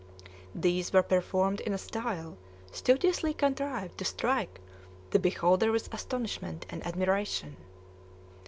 These were performed in a style studiously contrived to strike the beholder with astonishment and admiration.